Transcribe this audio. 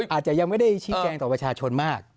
อาจจะยังไม่ได้ชี้แจงต่อประชาชนมาก